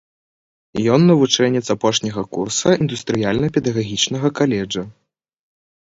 Ён навучэнец апошняга курса індустрыяльна-педагагічнага каледжа.